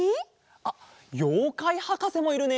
あっようかいはかせもいるね！